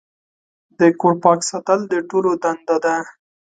د کور پاک ساتل د ټولو دنده ده.